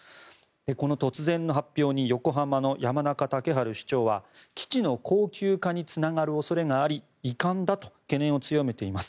この突然の発表に横浜の山中竹春市長は基地の恒久化につながる恐れがあり遺憾だと懸念を強めています。